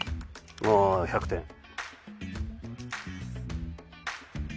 あ１００点。